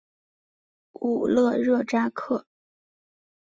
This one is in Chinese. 武勒热扎克。